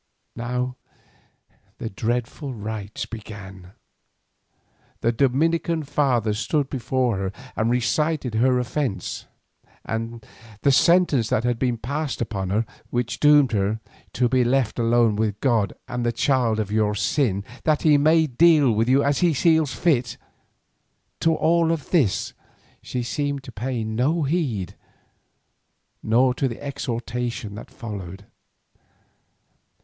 Now the dreadful rites began. The Dominican father stood before her and recited her offence, and the sentence that had been passed upon her, which doomed her, "to be left alone with God and the child of your sin, that He may deal with you as He sees fit." To all of this she seemed to pay no heed, nor to the exhortation that followed.